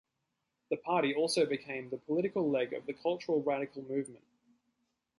The party also became the political leg of the cultural radical movement.